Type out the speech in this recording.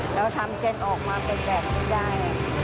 แล้วทำเส้นออกมาเป็นแบบนี้ได้